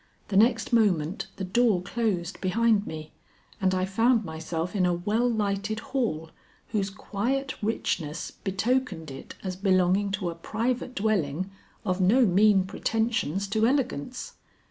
The next moment the door closed behind me and I found myself in a well lighted hall whose quiet richness betokened it as belonging to a private dwelling of no mean pretensions to elegance.